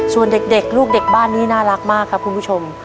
ส่วนเด็กลูกเด็กบ้านนี้น่ารักมากครับคุณผู้ชม